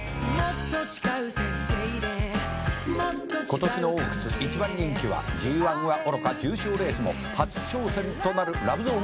「今年のオークス１番人気はＧⅠはおろか重賞レースも初挑戦となる」